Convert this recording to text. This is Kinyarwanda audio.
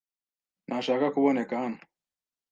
ntashaka kuboneka hano.